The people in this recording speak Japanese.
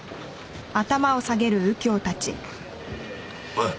おい。